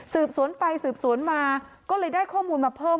สืบสวนไปสืบสวนมาก็เลยได้ข้อมูลมาเพิ่ม